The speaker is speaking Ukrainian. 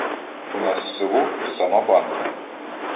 У нас село — сама банда.